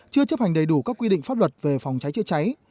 chưa chấp hành đầy đủ các quy định pháp luật về phòng cháy chữa cháy